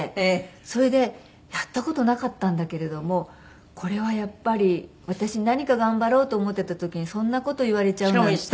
それでやった事なかったんだけれどもこれはやっぱり私何か頑張ろうと思ってた時にそんな事言われちゃうなんて。